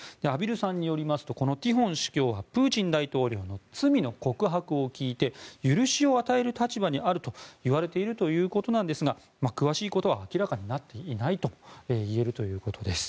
畔蒜さんによるとこのティホン司教はプーチン大統領の罪の告白を聞いて許しを与える立場にあるといわれているということなんですが詳しいことは明らかになっていないといえるということです。